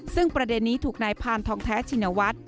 ซึ่งประเด็นนี้ถูกนายพานทองแท้ชินวัฒน์